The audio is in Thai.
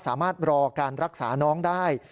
สามารถรอการรักษาน้องได้